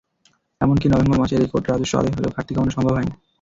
এমনকি নভেম্বর মাসে রেকর্ড রাজস্ব আদায় হলেও ঘাটতি কমানো সম্ভব হয়নি।